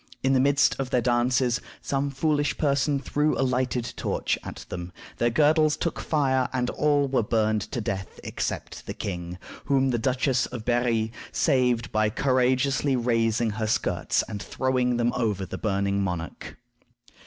In the midst of their dances, some foolish person threw a lighted torch at them. Their girdles took fire, and all were burned to death except the king, whom the Duchess of Berri saved by courageously raising her skirts and throwing them over the burning monarch.